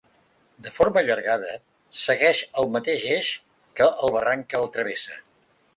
De forma allargada, segueix el mateix eix que el barranc que el travessa.